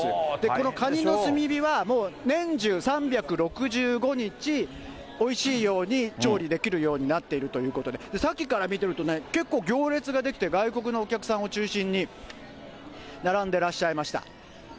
このかにの炭火は、年中３６５日おいしいように調理できるようになっているということで、さっきから見てるとね、結構行列が出来て、外国のお客さんを中心に、並んでらっしゃいました。